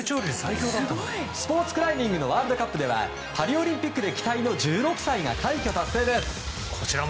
スポーツクライミングのワールドカップではパリオリンピックで期待の１６歳が快挙達成です。